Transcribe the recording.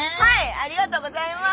ありがとうございます。